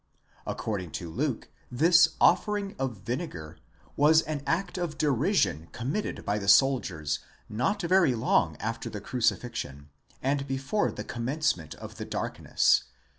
According to Luke, this offering of vinegar, ὄξος προσφέρειν, was an act of derision com mitted by the soldiers not very long after the crucifixion, and before the commencement of the darkness (v.